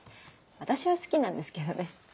私は好きなんですけどね。